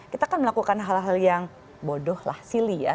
kita kan melakukan hal hal yang bodoh lah silly ya